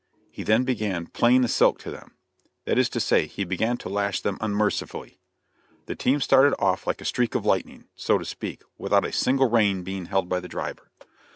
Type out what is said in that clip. He then began "playing the silk to them," that is to say, he began to lash them unmercifully. The team started off like a streak of lightning, so to speak, without a single rein being held by the driver.